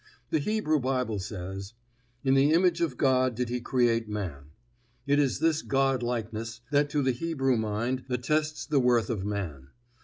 The Hebrew Bible says: "In the image of God did He create man" it is this God likeness that to the Hebrew mind attests the worth of man.